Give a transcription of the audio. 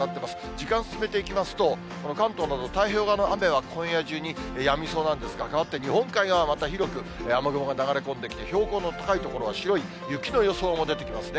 時間進めていきますと、関東など太平洋側の雨は、今夜中にやみそうなんですが、変わって日本海側また広く雨雲が流れ込んできて、標高の高い所は白い雪の予想も出てきますね。